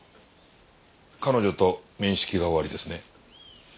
彼女と面識がおありですね。